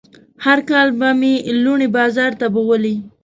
هر کال به مې لوڼې بازار ته بوولې.